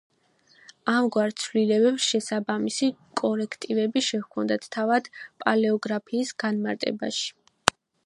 ამგვარ ცვლილებებს შესაბამისი კორექტივები შეჰქონდათ თავად პალეოგრაფიის განმარტებაში.